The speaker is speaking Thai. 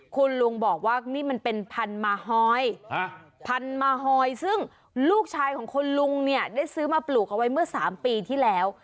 คุณลุงบอกว่านี่มันเป็นพันธุ์มาฮอยพันมาฮอยซึ่งลูกชายของคุณลุงเนี่ยได้ซื้อมาปลูกเอาไว้เมื่อ๓ปีที่แล้ว